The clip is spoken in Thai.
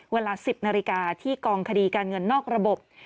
เวลา๑๐นาฬิกาที่กองคดีการเงินนอกระบบ